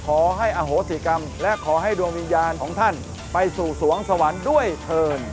ขอให้อโหสิกรรมและขอให้ดวงวิญญาณของท่านไปสู่สวงสวรรค์ด้วยเถิน